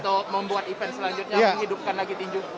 atau membuat event selanjutnya menghidupkan lagi tinju